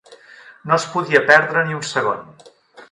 No es podia perdre ni un segon.